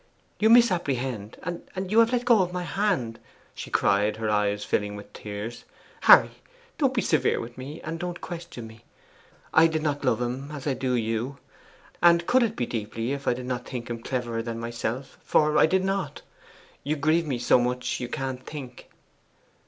'You misapprehend; and you have let go my hand!' she cried, her eyes filling with tears. 'Harry, don't be severe with me, and don't question me. I did not love him as I do you. And could it be deeply if I did not think him cleverer than myself? For I did not. You grieve me so much you can't think.